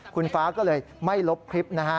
คุณฟ้าก็เลยไม่ลบคลิปนะฮะ